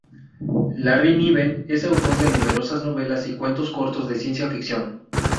Larry Niven es autor de numerosas novelas y cuentos cortos de ciencia ficción.